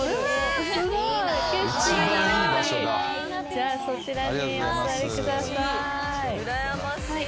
じゃあそちらにお座りください。